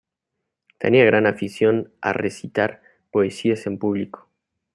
Tenía gran afición a recitar poesías en público.